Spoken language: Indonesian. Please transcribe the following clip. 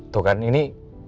tuh kan ini